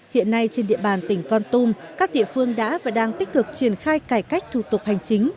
hiện nay trên địa bàn tỉnh con tum các địa phương đã và đang tích cực triển khai cải cách thủ tục hành chính